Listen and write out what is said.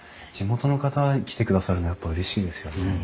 地元の方来てくださるのやっぱうれしいですよね。